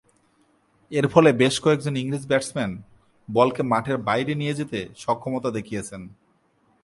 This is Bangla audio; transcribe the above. এরফলে বেশ কয়েকজন ইংরেজ ব্যাটসম্যান বলকে মাঠের বাইরে নিয়ে যেতে সক্ষমতা দেখিয়েছেন।